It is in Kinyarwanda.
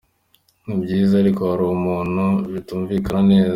Ni byiza, ariko hari ukuntu bitumvikana neza!".